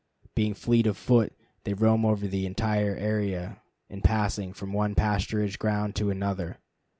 Being fleet of foot, they roam over the entire area in passing from one pasturage ground to another.